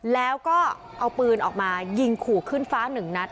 แล้วก็เอาปืนออกมายิงขู่ขึ้นฟ้าหนึ่งนัด